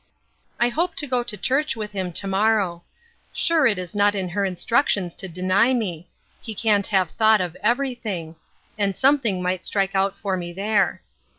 I hope to go to church with him to morrow: Sure it is not in her instructions to deny me! He can't have thought of every thing! And something may strike out for me there.